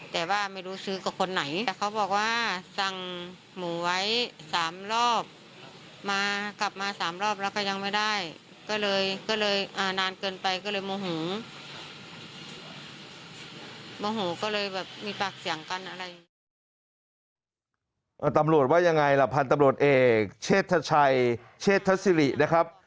ตำรวจว่ายังไงล่ะพันธุ์ตำรวจเอกเชษฐชัยเชษฐศิรินะครับ